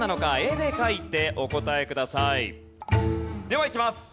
ではいきます。